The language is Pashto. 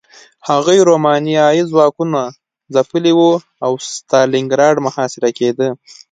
هغوی رومانیايي ځواکونه ځپلي وو او ستالینګراډ محاصره کېده